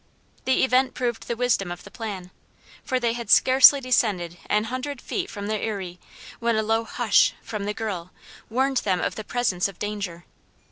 The event proved the wisdom of the plan, for they had scarcely descended an hundred feet from their eyrie when a low "hush!" from the girl warned them of the presence of danger.